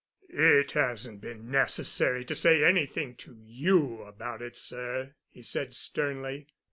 "It hasn't been necessary to say anything to you about it, sir," he said sternly.